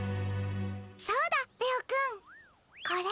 そうだレオくんこれ。